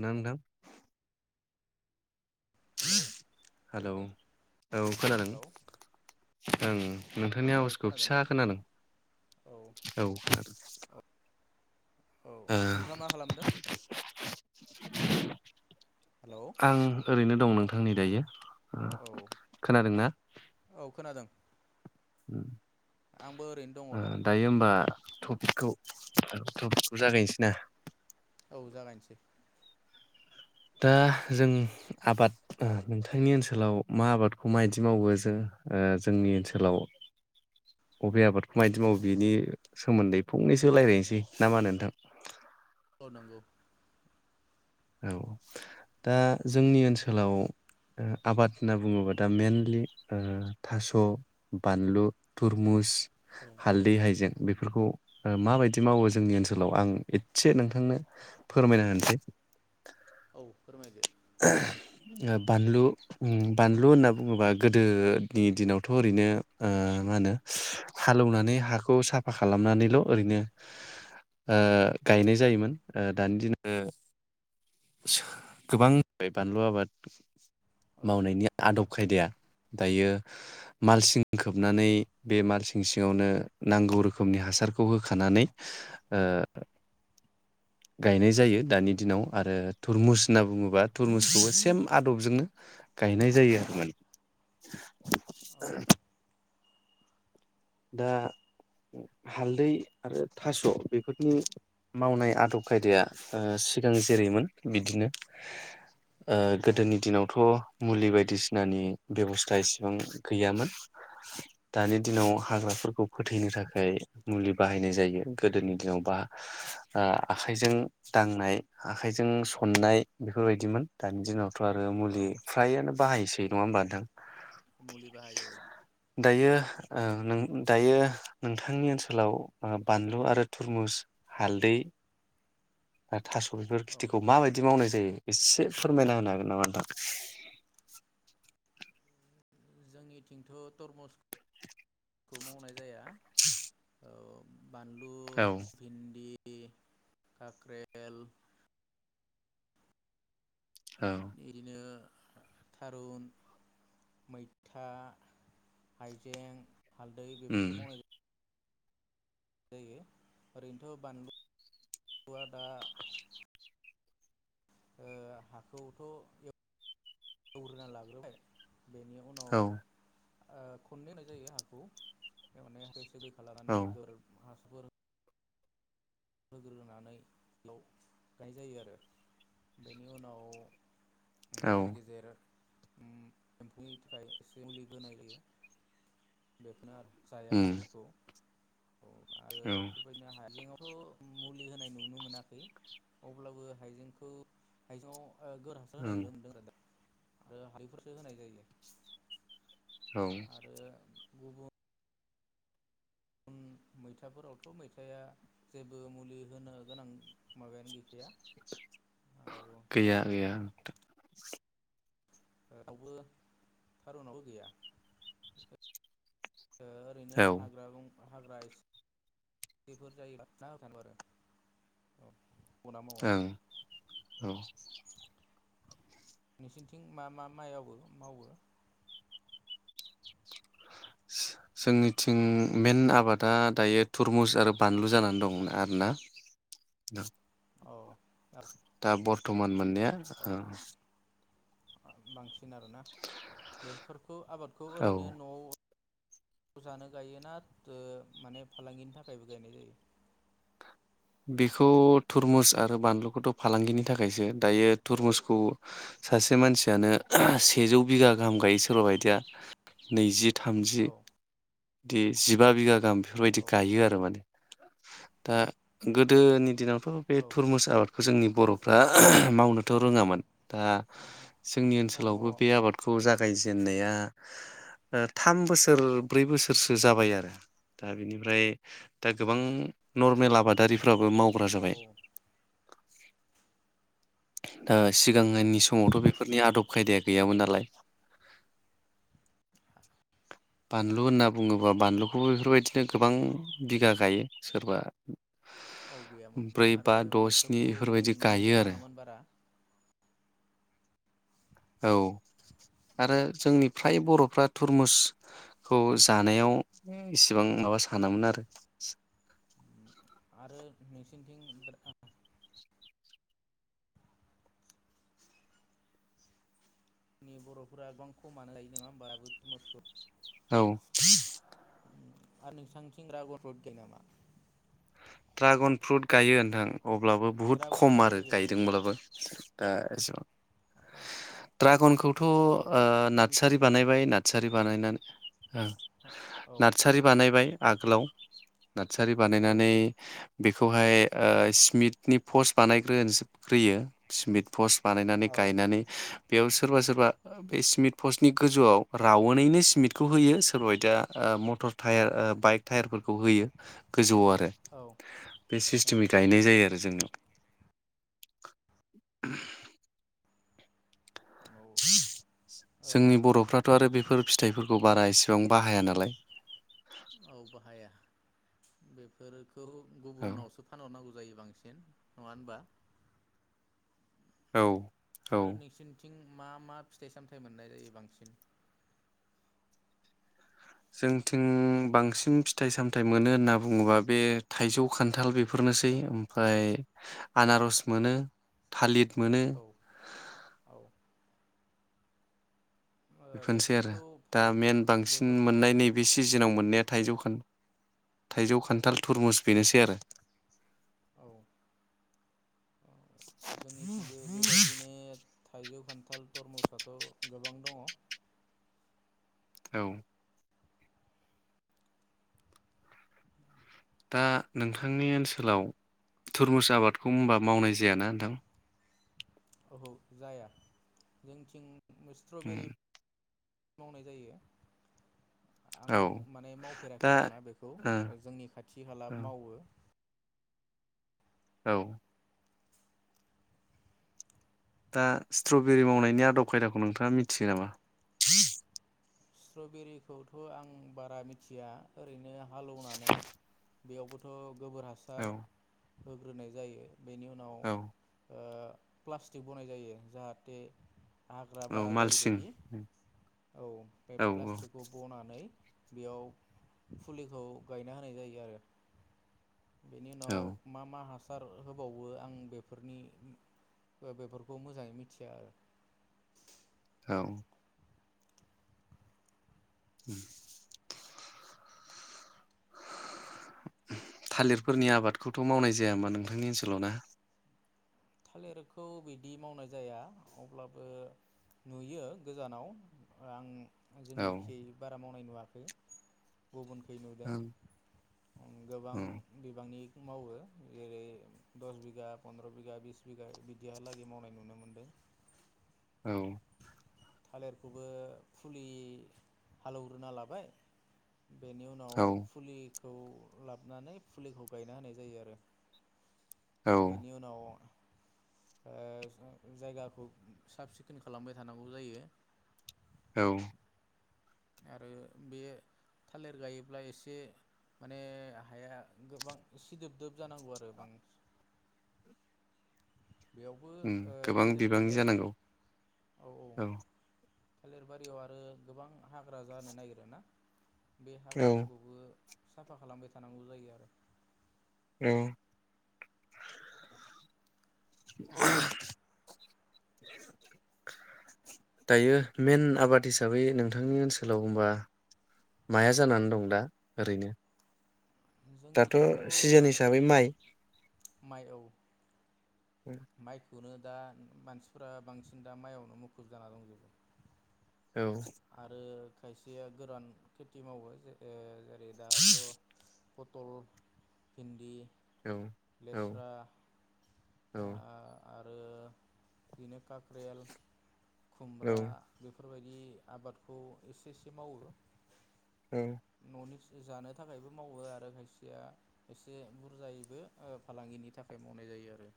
नां नोंथां? Hello hello औ खोनादों। हेलौ ओं। नोंथांनि औ आवासखौ खोनादों ना फिसा खोना दों। औ औ औ नोंथाङा मा खालामदों? हेलौ आं ओरैनो दं नोंथां। आंनि दायो। औ खोनादोंना। औ खोनादों आंबो ओरैनो दङ दा उम। दायो होमबा। टपिकखौ टपिकखौ जागायनोसै ना। औ जागायनोसै। दा जों आबाद ओ नोंथांनि ओनसोलाव मा आबादखौ माबायदि मावो जों ओ जोंनि ओनसोलाव बबे आबादखौ मायदि मावो बिनि सोमोन्दै फंनैसो रायज्लायनोसै नामा होनो नोंथां। औ नंगौ। औ दा जोंनि ओनसोलाव आबाद होनना बुङोबा दा मेनलि सो थास बानलु थुरमुस। औ हालदै हाइजें। बेफोरखौ माबायदि मावो जोंनि ओनसोलाव आं एसे नोंथांनो फोरमायना होनोसै। औ फोरमायदो। बानलु उम बानलु होनना बुङोबा गोदोनि दिनावथ ओरैनो। ओ मा होनो। हालेवनानै हाखौ साफा खालामनानैल ओरैनो ओ गायनाय जायोमोन दानि दिनाव ओ गोबां। बेाय बानलु आबाद। औ मावनायनि आदब। उ खायदाया दायो मालसिं खोबनानै बे माल सिं सिङावनो नांगौ रोखोमनि हासारखौ होखानानै। गायनाय जायो दानि दिनाव आरो थुरमुस होनना बुङोब्ला। बा थुरमुसखौबो सेम आदबजोंनो। गायनाय जायो आरो मान। [unintelligible] औ दा हालदै आरो थास बेफोरनि मावनाय आदब खायदाया ओ सिगां जेरैमोन बिदिनो। ओ औ गोदोनि दिनावथ मुलि बायदिसिनानि बेबस्था इसेबां गैयामोन। दानि औ दिनाव फोरखौ फोथैनो थाखाय मुलि बाहायनाय जायो गोदोनि दिनाव बा ओ आखाइजों दांनाय आखाइजों सननाय बेफोरबायदिमोन दानि दिनाव आरो औ मुलि फ्रायानो बाहायसै। नङा होनबा नोंथां? मुलि बाहायो औ। दायो ओ नों दायो नोंथांनि ओनसोलाव बानलु आरो थुरमुस हालदै आरो थास' बेफोर औ खिथिखौ माबायदि मावनाय जायो? एसे फोरमायना होनो हागोन नामा नोंथां? जोंनिथिंथ टरमुसखौ मावनाय जाया ओ बानलु, औ भिन्दि काक्रेल। औ बिदिनो थारुन, मैथा, हाइजें। हालदै उम बेफोरखौ मावनाय जा जायो ओरैनोथ' बानलुआ दा ओ हाखौथ' ए एवग्रोना लाग्रोबाय बेनि उनाव औ ओ खननै होनाय जायो हाखौ [unintelligible] हा औ लानानै [unintelligible] [unintelligible] होग्रोनानै लाव [inaudible] नाय जायो आरो, बेनि उनाव औ गेजेर गेजेर उम्म एम्फौनि थाखाय एसे मुलि होनाय जायो बेखौनो आर जाया उम बिलफोरखौ अ आरो औ बेफोरबायदिनो हायजेंङावथ' मुलि होनाय नुनो मोनाखै, अब्लाबो हाइजेंखौ हाइजेंआव ओ [unintelligible] आरो ओं [unintelligible] फोरसो होनाय जायो। औ आरो गुबु उम्म मैथाफोरावथ' मैथाया जेबो मुलि होनो गोनां माबायानो गैख गैया आरो गैया नोंथां। रावबो थारुनावबो गैया। ओ ओरैनो औ हाग्रा बं हाग्रा इसि [unintelligible] बेफोर जायोबा जा होनांगौ आरो। गना मावा ओं औ। [unintelligible] नोसोरनिथिं मा मा माइआवबो मावो? जो-जोंनिथिं मेन आबादा दायो थुरमुस आरो बानलु जानानै दं आरोना। औ आ दा बर्तमान मो [unintelligible] अ बांसिन [unintelligible] आरोना बेफोर खौ आबादखौ औ ओरैनो न'आव खौ जानो गायोना ओ माने फालांगिनि थाखायबो गायनाय जायो? बेखौ थुरमुस आरो बानलुखौथ' फालांगिनि थाखायसो, दायो थुरमुसखौ सासे मानसियानो सेजौ बिगा गाहाम गायो, सोरबा बायदिया नैजि थामजि औ दे जिबा बिघा गाहाम बेफोरबायदि औ गायो आरो माने। दा गोदोनि दिनाव बे औ थुरमुस आबादखौ जोंनि बर'फ्रा मावनो थ' रोङामोन। दा जोंनि औ ओनसोलावबो मावा बे माने आबादखौ जागायजे दोननाया ओ थाम बोसोर ब्रै बोसोरसो जाबाय आरो दा बिनिफ्राय दा गोबां नर्मेल आबाद दारि फोराबो मावग्रा औ जाबाय। दा सिगांनि समावथ' बेफोरनि आदब खायदाया औ गैयामोन नालाय बानलु होनना बुङोबा बानलुखौबो बेफोरबायदिनो गोबां बिगा गायो सोरबा औ गैयामोन ब्रै आरो बा द' स्नि बेफोरखौ जों बेफोरबायदि नुनोबो गायो आरो थाङामोन बारा। औ आरो जोंनि फ्राय बर'फ्रा थुरमुस खौ जानायाव इसिबां माबा सानामोन आरो। [inaudible] आरो नोंसिनिथिं [unintelligible] नि बर'फोरा गोबां खमानो लायो नङा होमबा दाबो थरमुसखौ। औ आरो नोंसांथिं रागर फोद दो नामा? ड्रागन फ्रुट गायो नोंथां। अब्लाबो बुहुद ड्रागनखौ खम आरो बोरै गायनाय जायो गायदोंब्लाबो दा एस औ ड्रागनखौथ' ओ औ नों नारसारि मिथियो दा बानायबाय नारसारि बानायनानै औ नार्सारि बानायबाय आगोलाव नारसारि औ बानायनानै बेखौहाय ओ सिमिटनि पस्ट बानायग्रोनोज ग्रोयो सि्मिट पस्ट बानायनानै औ गायनानै बेयाव सोरबा सोरबा बे सिमिन्ट पस्टनि गोजौआव रावोनैनो सिमिन्टखौ होयो सोरबा दा मटर टायार बाइक टायारफोरखौ होयो गोजौआव आरो औ बे ओ औ सिस्टेमै गायनाय जायो आरो जोंनाव [inaudible] जोंनि बर'फ्राथ' आरो बेफोर फिथाइफोरखौ बारा एसेबां बाहाया नालाय औ बाहाया बेफोर औ गुबुनावसोानहरनांगौ जायो बांसिन नङा हबा औ औ आरो नोंसिोरनिथिं मा मा फिथाइ सामथायाइ मोननाय जायो बांसिन जोंथिं बांसिन फिथाइ सामथायाइ मोनो होनना बुङोबा बे थाइजौ खान्थाल बेफोरनोसै ओमफ्राय आनारस मोनो थालिर मोनो औ औ बेफोरनोसै आरो बेफोरखौ दा फाला मेन बांसिन बेफोरखौ मोननाय नैबे सिजोनाव मोननाया थाइजौखान थाइजौ औ खान्थाल थुरमुस बेनोसै आरो औ जोंनिथिंबो बेबायदिनो थाइजौ खान्थाल थरमुसाथ' गोबां दङ औ दा नोंथांनि ओनसोलाव थुरमुस आबादखौ होनबा मावनाय जायाना नोंथां औओहौ जाया जोंथिं स्ट्रबेरि मावनाय जायो आं औ माने दा मावफेराखै आरोोना बेखौ जोंनि खाथि खाला ओ औ मावो औ दा स्ट्रबेरि मावनायनि आदब खायदाखौ नोंथाङा मिथियो नामा स्ट्रबेरिखौथ' आं बारा मिथिया ओरैनो हालेवनानै बेयावबोथ' गोबोर औ हासार होग्रोनाय जायो। बेनि उनाव औ ओ प्लास्टिक बनाय जायो जाहाथे हाग्रा औ बारा मालसिं जायबायदि औ बे औ औ प्लास्टिकखौ बनानै बेयाव फुलिखौ गायना होनाय जायो आरो बेनि औ उनाव मा मा हासार सार होबावो आं बेफोरनि बेफोरखौ मोजाङै मिथिया आरो औ [inaudible] थालिरफोरनि आबादखौथ' मावनाय जायाामा नोंथांनि ओनसोलाव ना? थालिरखौ बिदि मावनाय जाया अब्लाबो नुयो गोजानाव आं औ जोंनिखि बारा माव नुवाखै। गुबुनखै औ नुदों ओम गोबां बिबांनि मावो जेरै दस बिगा फन्द्र बिगा बिस बिगा बिदिहालागै मावनाय नुनो मोनदों। औ थालिरखौबो फुलि, हालौग्रोना लाबाय। बेनि उनाव औ फुलि खौ लाबोनानै फुलिखौ गायना होनाय जायो आरो औ बेनि उनाव ओ जायगाखौ साब सिखोन खालामबाय थानांगौ जायो। औ आरो बे थालिर गायोब्ला एसे माने हाया गोबां सिदोबदोब जानांगौ आरो बांसिन बेयावबो उम गोबां गेजेर बिबांनि गेजेर जानांगौ औ औ थालिर बारियाव आरो गोबां हाग्रा जानो नागिर ना। बे औ हाग्राफोरखौबो साफा खालामबाय थानांगौ जायो आरो औ दायो मेन आबाद हिसाबै नोंथांनि ओनसोलाव होनबा माया जानानै दं दा ओरैनो? दाथ जोंनिथिंथ' सिजोन बां हिसाबै माइ। माइ खौनो दा मानसिफोरा बांसिन दा माइआवनो मुखुब जाना दंजोबो। औ आरो खायसेया गोरान खेथि मावो। ए दाथ पटल, भिन्दि औ औ लेस्रा आ आद ओ बिनो काक्रेयाल खुमब्रा बेफ फोरबायदि आबादखौ एसे एसे मावो। ओं खननैसो जानो थाखायबो मावो आरो खायसेया खायसे बुरजायैबो फालांगिनि थाखाय मावनाय जायो आरो।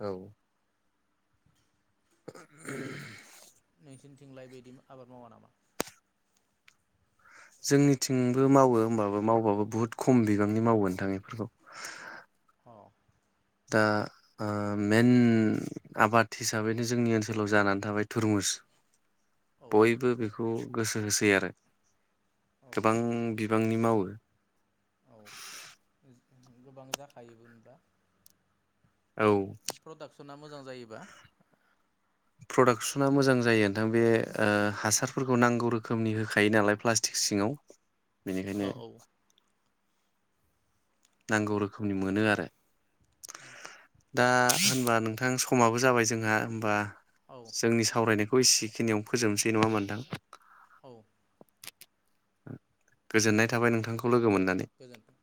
औ [unintelligible] खिनथिंलाय बायदि आबाद मावा नामा? जोंनिथिंबो मावो होमबाबो मावबाबो बुहुत खम बिबांनि मावो ओनथां बेफोरखौ अ दा ओ मेन आबाद हिसाबैनो जोंनि ओनसोलाव जानानै थाबाय थुरमुस। औ बयबो बे खौ गोसो होसै आरो। औ गोबां बिब रांनि मावो। औ गोबां जाखायोबोमोनबा। औ। सोना मोजां जायोबा। प्रडाक्सना मोजां जायो नोंथां बे ओ हासारफोरखौ नांगौ रोखोमनि होखायो नालाय प्लास्टिक सिङाव। औ बेनिखायनो। औ नांगौ रोखोमनि मोनो आरो। दा होनबा नोंथां समाबो जाबाय जोंहा होमबा औ जोंनि सावरायनायखौ एसेखिनियाव फोजोबनोसै नङा होमबा नोंथां? औ। गोजोननाय थाबाय नोंथांखौ लोगो मोन गोजोन्थों।